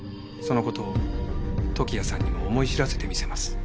その事を時矢さんにも思い知らせてみせます。